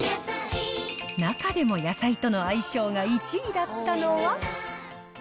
中でも野菜との相性が１位だったのは。